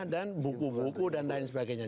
buku buku dan lain sebagainya